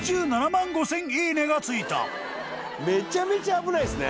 めちゃめちゃ危ないっすね。